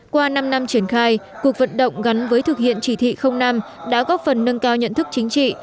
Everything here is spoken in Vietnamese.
qua năm năm triển khai cuộc vận động gắn với thực hiện chỉ thị năm đã góp phần nâng cao nhận thức chính trị